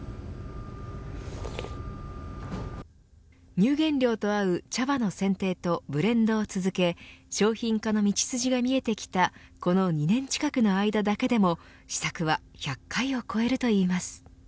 乳原料と合う茶葉の選定とブレンドを続け商品化の道筋が見えてきたこの２年近くの間だけでも試作は１００回を超えるといいます。